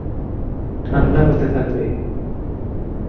ঠাণ্ডা হতে থাকবে।